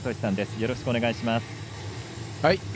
よろしくお願いします。